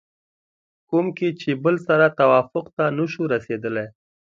کوم کې چې بل سره توافق ته نشو رسېدلی